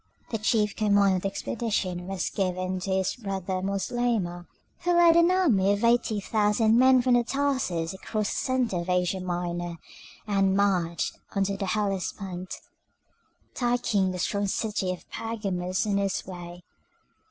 The chief command of the expedition was given to his brother Moslemah, who led an army of eighty thousand men from Tarsus across the centre of Asia Minor, and marched on the Hellespont, taking the strong city of Pergamus on his way.